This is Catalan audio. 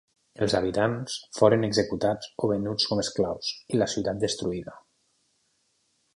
Els habitants foren executats o venuts com esclaus i la ciutat destruïda.